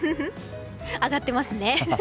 上がってますね。